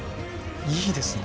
いいですね。